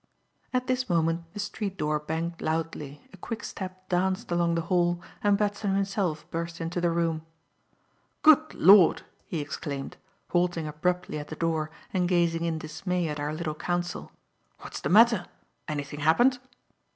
At this moment the street door banged loudly, a quick step danced along the hall, and Batson himself burst into the room. "Good Lord!" he exclaimed, halting abruptly at the door and gazing in dismay at our little council. "What's the matter? Anything happened?"